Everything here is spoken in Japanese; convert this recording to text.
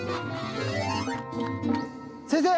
先生！